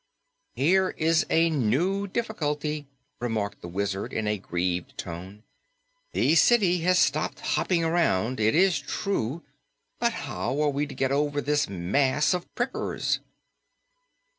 "Here is a new difficulty," remarked the Wizard in a grieved tone. "The city has stopped hopping around, it is true, but how are we to get to it over this mass of prickers?"